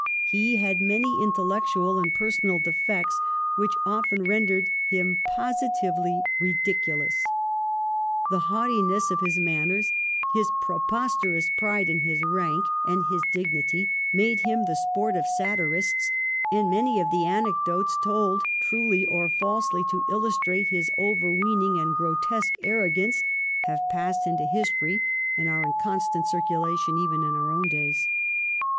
He had many intellectual and personal defects, which often rendered him positively ridiculous. The haughtiness of his manners, his preposterous pride in his rank and his dignity, made him the sport of satirists, and many of the anecdotes told, truly or falsely, to illustrate his overweening and grotesque arrogance, have passed into history, and are in constant circulation even in our own days.